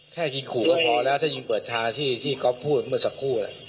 แค่ยิงขู่ก็พอแล้วถ้ายิงเปิดทางที่ก๊อฟพูดเมื่อสักครู่